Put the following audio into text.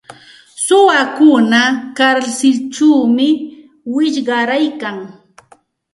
Suwakuna karsilćhawmi wichqaryarkan.